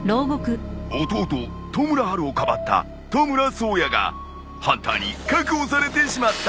弟トムラハルをかばったトムラ颯也がハンターに確保されてしまった。